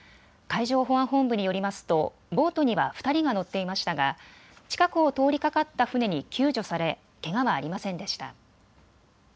海上保安本部によりますとボートには２人が乗っていましたが近くを通りかかった船に救助されけがはありませんでした。